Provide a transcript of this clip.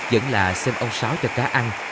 vẫn là xem ông sáu cho cá ăn